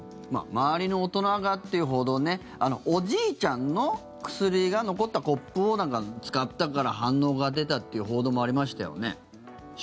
周りの大人がっていう報道ねおじいちゃんの薬が残ったコップを使ったから反応が出たっていう報道もありましたよね。